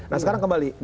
nah sekarang kembali